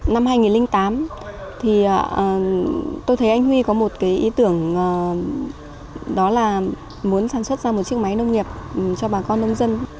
năm hai nghìn tám thì tôi thấy anh huy có một cái ý tưởng đó là muốn sản xuất ra một chiếc máy nông nghiệp cho bà con nông dân